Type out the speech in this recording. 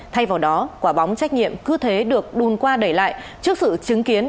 thay vào đó quả bóng trách nhiệm cứ thế được đun qua để lại trước sự chứng kiến